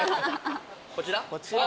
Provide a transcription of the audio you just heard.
こちら？